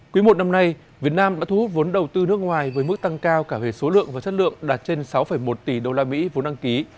quý một năm nay việt nam đã thu hút vốn đầu tư nước ngoài với mức tăng cao cả về số lượng và chất lượng đạt trên sáu một tỷ usd vốn đăng ký